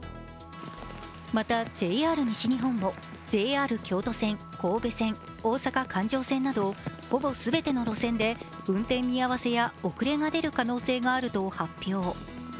またＪＲ西日本もＪＲ京都線、神戸線、大阪環状線などほぼ全ての路線で運転見合せや遅れが出る可能性があると発表。